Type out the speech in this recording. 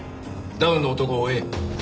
ダウンの男を追え。